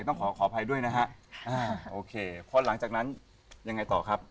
ทั้งขอแผ่ด้วยนะฮะโอเคเพราะถึงก็หลังจากนั้นยังไงต่อครับ